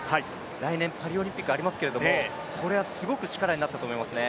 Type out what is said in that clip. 来年、パリオリンピックありますけれども、これはすごく力になったと思いますね。